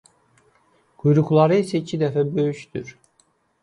Quyruqları isə iki dəfə böyükdür.